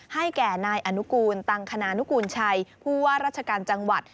ให้แก่นายอนุกูลตังคณานุกูลชัยผู้ว่าราชการจังหวัด